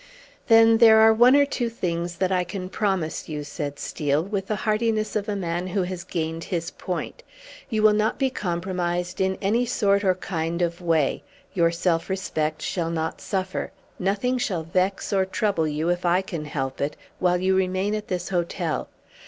"Then there are one or two things that I can promise you," said Steel, with the heartiness of a man who has gained his point. "You will not be compromised in any sort or kind of way; your self respect shall not suffer; nothing shall vex or trouble you, if I can help it, while you remain at this hotel.